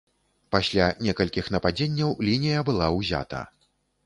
Пасля некалькіх нападзенняў лінія была ўзята.